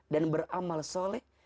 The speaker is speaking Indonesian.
dan beramal soleh